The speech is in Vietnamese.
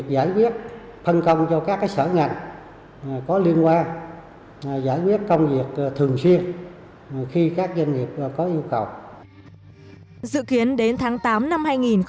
dự kiến đến tháng tám năm hai nghìn một mươi tám